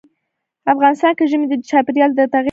افغانستان کې ژمی د چاپېریال د تغیر نښه ده.